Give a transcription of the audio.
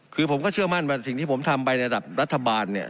คือผมก็เชื่อมั่นว่าสิ่งที่ผมทำไประดับรัฐบาลเนี่ย